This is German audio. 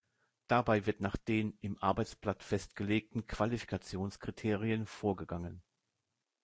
Dabei wird nach den im Arbeitsblatt festgelegten Qualifikationskriterien vorgegangen.